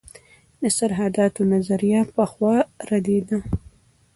د سرحداتو نظریه پخوا ردېده.